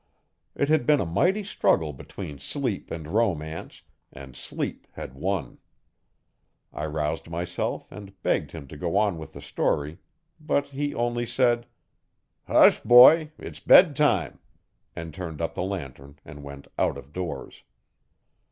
It had been a mighty struggle between Sleep and Romance, and Sleep had won. I roused myself and begged him to go on with the story, but he only said, 'Hush, boy; it's bedtime,' and turned up the lantern and went out of doors.